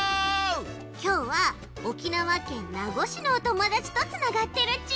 きょうは沖縄県名護市のおともだちとつながってるち。